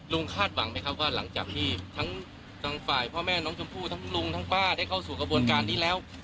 ลุงคาดหวังไหมว่าหลังจากทั้งฝ่ายพ่อแม่น้องจมหู้ลุงป้าได้เข้าสู่กระโบรณ์การนี้แล้ว